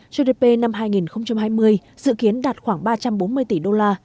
gdp năm hai nghìn hai mươi dự kiến đạt khoảng ba trăm bốn mươi tỷ đô la